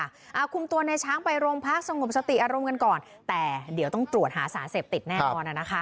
อ่าคุมตัวในช้างไปโรงพักสงบสติอารมณ์กันก่อนแต่เดี๋ยวต้องตรวจหาสารเสพติดแน่นอนอ่ะนะคะ